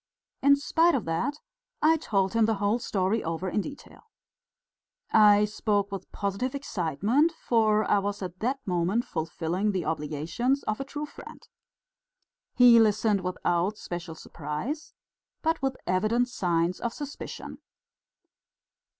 In spite of that I told him the whole story over in detail. I spoke with positive excitement, for I was at that moment fulfilling the obligations of a true friend. He listened without special surprise, but with evident signs of suspicion.